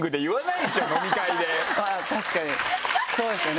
確かにそうですよね。